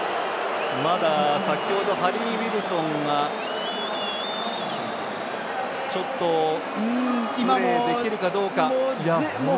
まだ先ほどハリー・ウィルソンがちょっとプレーできるかどうか。